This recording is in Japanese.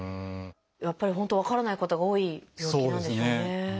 やっぱり本当分からないことが多い病気なんでしょうね。